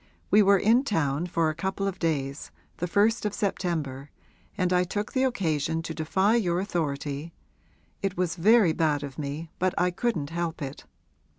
We were in town for a couple of days, the 1st of September, and I took the occasion to defy your authority it was very bad of me but I couldn't help it.